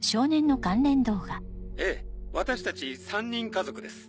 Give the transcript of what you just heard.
ええ私たち３人家族です。